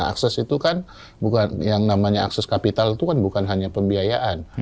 akses itu kan bukan yang namanya akses kapital itu kan bukan hanya pembiayaan